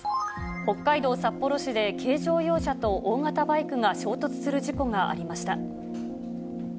北海道札幌市で軽乗用車と大型バイクが衝突する事故がありました。